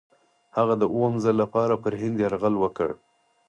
هغه د اووم ځل لپاره پر هند یرغل وکړ.